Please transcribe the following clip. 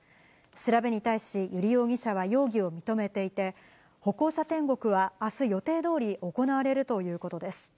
調べに対し、油利容疑者は容疑を認めていて、歩行者天国はあす予定どおり行われるということです。